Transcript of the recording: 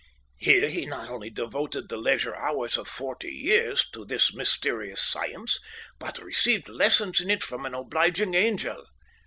Here he not only devoted the leisure hours of forty years to this mysterious science, but received lessons in it from an obliging angel.